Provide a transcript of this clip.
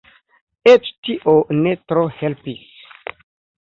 Eĉ tio ne tro helpis.